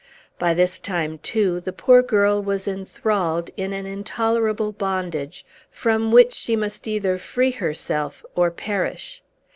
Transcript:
By this time, too, the poor girl was enthralled in an intolerable bondage, from which she must either free herself or perish.